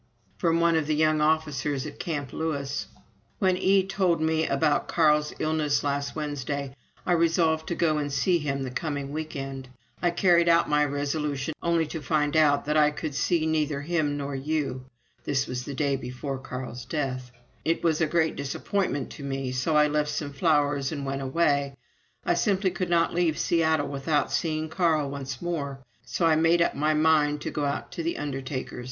From one of the young officers at Camp Lewis: "When E told me about Carl's illness last Wednesday, I resolved to go and see him the coming week end. I carried out my resolution, only to find that I could see neither him nor you. [This was the day before Carl's death.] It was a great disappointment to me, so I left some flowers and went away. ... I simply could not leave Seattle without seeing Carl once more, so I made up my mind to go out to the undertaker's.